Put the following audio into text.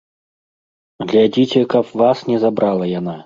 Глядзіце, каб вас не забрала яна!